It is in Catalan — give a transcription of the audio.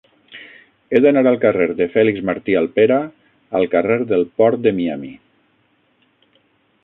He d'anar al carrer de Fèlix Martí Alpera al carrer del Port de Miami.